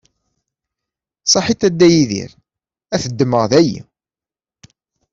Saḥit a Dda Yidir, ad t-ddmeɣ dayi.